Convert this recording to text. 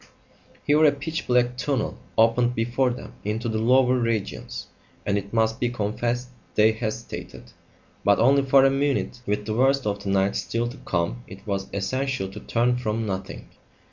Here a pitch black tunnel opened before them into the lower regions, and it must be confessed they hesitated. But only for a minute. With the worst of the night still to come it was essential to turn from nothing.